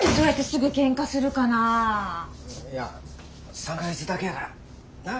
いや３か月だけやからなっ？